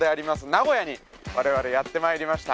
名古屋に我々やって参りました。